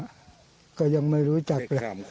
ก็ยังไม่รู้จัก